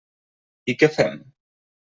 I què fem?